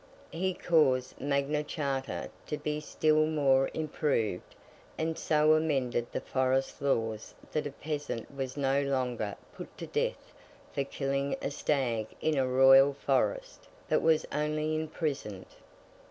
He caused Magna Charta to be still more improved, and so amended the Forest Laws that a Peasant was no longer put to death for killing a stag in a Royal Forest, but was only imprisoned.